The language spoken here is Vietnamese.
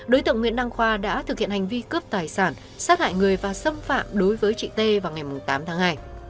đối tượng nguyễn đăng khoa đã thực hiện hành vi cướp tài sản sát hại người và xâm phạm đối với chị t vào ngày tám tháng hai